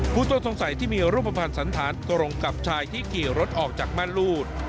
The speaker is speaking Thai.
ผู้ต้นสงสัยที่มีรูปภัณฑ์สันทัศน์ตรงกับชายที่เขียวรถออกจากมรรลูท